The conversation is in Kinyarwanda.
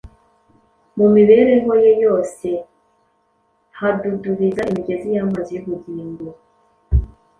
mu mibereho ye yose hadudubiza imigezi y’amazi y’ubugingo.